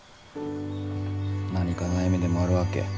何か悩みでもあるわけ？